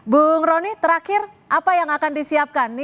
bu roni terakhir apa yang akan disiapkan